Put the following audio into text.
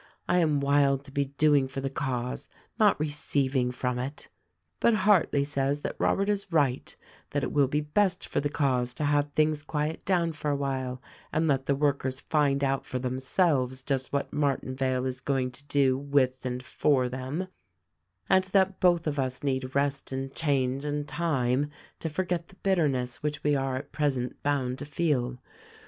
I am wild to be doing for the cause, not receiving from it. But Hartleigh says that Robert is right ; that it will be best for the cause to have things quiet down for a while and let the workers find out for themselves just what Martinvale is going to do with and for them, and that both of us need rest and change and time to forget the bitterness which we are at present bound to feel.